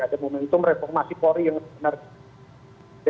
ada momentum reformasi polri yang menariknya